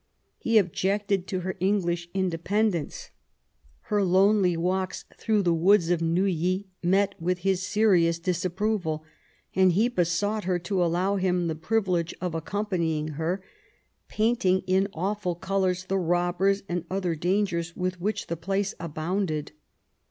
He objected to her English independence ; her lonely walks through the woods of Neuilly met with his serious disapproval, and he be sought her to allow him the privilege of accompanying her, painting in awful colours the robbers and other dangers with which the place abounded.